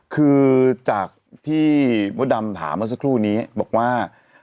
คือจากที่มดดำถามเมื่อสักครู่นี้บอกว่า